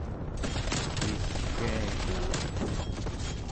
elillgiagaa